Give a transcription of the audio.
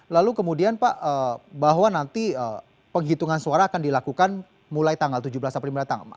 lalu kemudian pak bahwa nanti penghitungan suara akan dilakukan mulai tanggal tujuh belas april mendatang